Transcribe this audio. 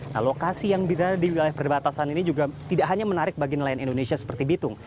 nah lokasi yang berada di wilayah perbatasan ini juga tidak hanya menarik bagi nelayan indonesia seperti bitung